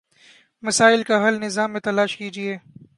مسائل کا حل نظام میں تلاش کیجیے۔